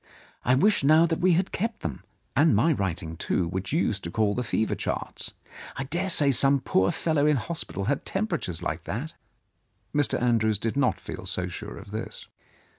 "I wish now that we had kept them, and my writing, too, which you used to call the fever charts. 1 80 Mrs. Andrews's Control I dare say some poor fellow in hospital had tempera tures like that." Mr. Andrews did not feel so sure of this.